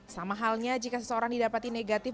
sama halnya jika seseorang didapati negatif